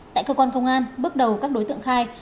tại cơ quan công an bước đầu các đối tượng khai